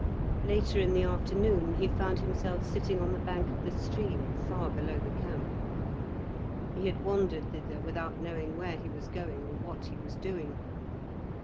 Later in the afternoon he found himself sitting on the bank of the stream far below the camp. He had wandered thither without knowing where he was going or what he was doing.